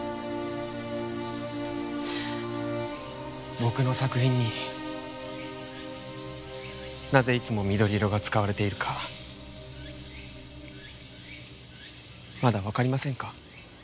僕の作品になぜいつも緑色が使われているかまだわかりませんか？